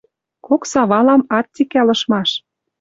Кок савалам ат цикӓл ышмаш.